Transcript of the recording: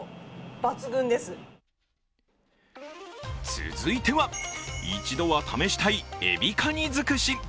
続いては、一度は試したいえびかにづくし。